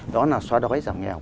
đó là xóa đói giảm nghèo